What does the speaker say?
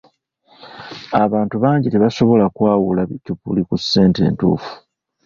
Abantu bangi tebasobola kwawula bikyupuli ku ssente entuufu.